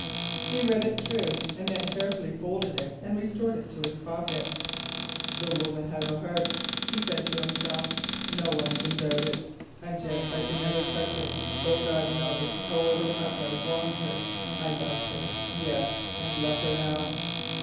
He read it through and then carefully folded it and restored it to his pocket. "The woman has a heart," he said to himself, "no one can doubt it. And yet I could never touch it, though God knows however much I wronged her I loved her, yes, and love her now.